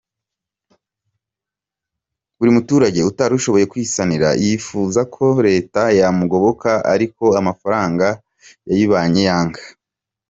Buri muturage utarashoboye kwisanira yifuza ko leta yamugoboka ariko amafaranga yayibanye iyanga.